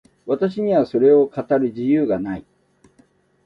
私にはそれを語る自由がない。